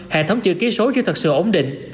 hệ thống chữ ký số chưa thật sự ổn định